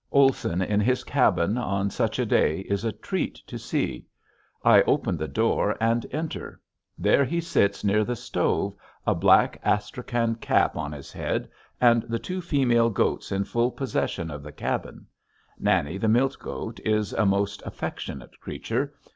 Olson in his cabin, on such a day, is a treat to see. I open the door and enter. There he sits near the stove, a black astrakhan cap on his head and the two female goats in full possession of the cabin. Nanny the milch goat is a most affectionate creature.